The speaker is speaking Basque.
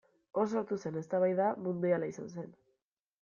Hor sortu zen eztabaida mundiala izan zen.